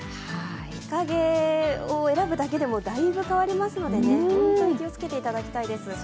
日陰を選ぶだけでもだいぶ変わりますのでね、本当に気をつけていただきたいです。